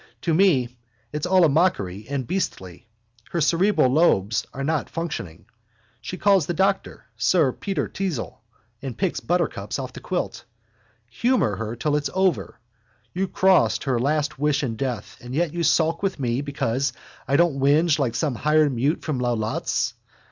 To me it's all a mockery and beastly. Her cerebral lobes are not functioning. She calls the doctor sir Peter Teazle and picks buttercups off the quilt. Humour her till it's over. You crossed her last wish in death and yet you sulk with me because I don't whinge like some hired mute from Lalouette's.